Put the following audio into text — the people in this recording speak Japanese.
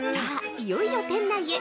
いよいよ店内へ。